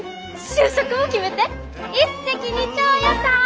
就職も決めて一石二鳥ヤサー！